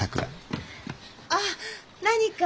あっ何か？